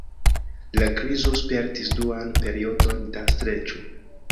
La krizo spertis duan periodon da streĉo.